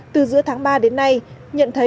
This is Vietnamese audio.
từ giữa tháng ba đến nay nhận thấy